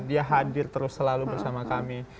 dia hadir terus selalu bersama kami